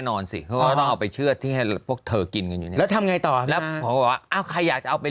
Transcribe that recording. คนขายก๋วยเตี๋ยวไก่เอาไป